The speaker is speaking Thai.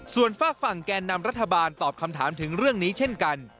ส่วนฝากฝั่งแกนนำรัฐบาลตอบคำถามถึงเรื่องนี้เช่นกัน